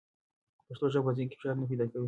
پښتو ژبه په ذهن کې فشار نه پیدا کوي.